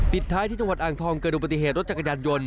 ท้ายที่จังหวัดอ่างทองเกิดอุบัติเหตุรถจักรยานยนต์